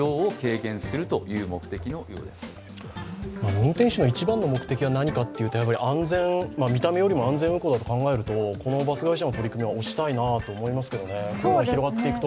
運転手の一番の目的は何かというと見た目よりも安全運行だと考えるとこのバス会社の取り組みは推したいなと思いますけどね。